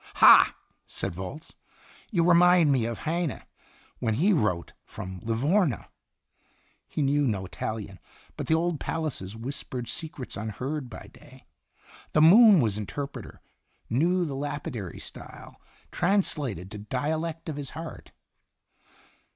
"Ha!" said Volz. "You remind me of Heine, when he wrote from Livorno. He knew no Italian, but the old palaces whispered secrets unheard by day. The moon was inter preter, knew the lapidary style, translated to dialect of his heart.